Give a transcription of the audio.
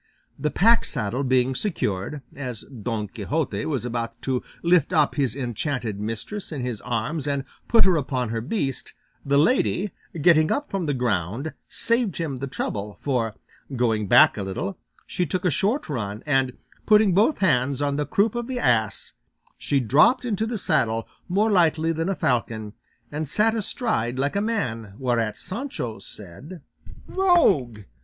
The pack saddle being secured, as Don Quixote was about to lift up his enchanted mistress in his arms and put her upon her beast, the lady, getting up from the ground, saved him the trouble, for, going back a little, she took a short run, and putting both hands on the croup of the ass she dropped into the saddle more lightly than a falcon, and sat astride like a man, whereat Sancho said, "Rogue!